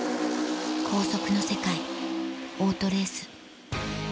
高速の世界オートレース